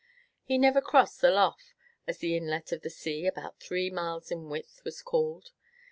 He never crossed the "Lough," as the inlet of the sea, about three miles in width, was called.